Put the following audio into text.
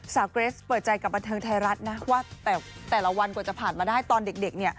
เกรสเปิดใจกับบันเทิงไทยรัฐนะว่าแต่ละวันกว่าจะผ่านมาได้ตอนเด็ก